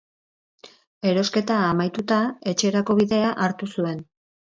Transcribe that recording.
Erosketa amaituta, etxerako bidea hartu zuen.